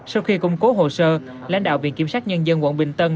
sau khi củng cố hồ sơ lãnh đạo viện kiểm sát nhân dân quận bình tân